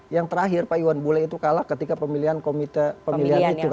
yang terakhir pak iwan bule itu kalah ketika pemilihan komite pemilihan itu